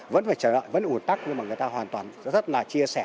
vẫn phải trở lại vẫn ủ tắc nhưng mà người ta hoàn toàn rất là chia sẻ